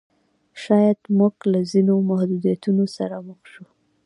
شاید موږ له ځینو محدودیتونو سره مخ شو.